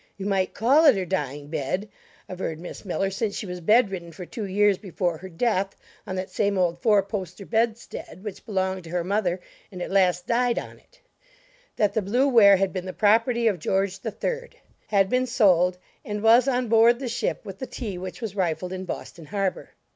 you might call it her dying bed, averred Miss Miller, since she was bedridden for two years before her death, on that same old four poster bedstead which belonged to her mother, and at last died on it) that the blue ware had been the property of George the Third, had been sold and was on board the ship with the tea which was rifled in Boston Harbor.